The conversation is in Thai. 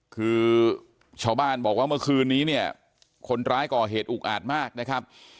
คือชาวบ้านบอกว่าเมื่อคืนนี้เนี่ยคนร้ายก่อเหตุอุกอาจมากนะครับ